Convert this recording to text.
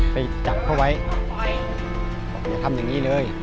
คิดจะทำแบบนี้เลย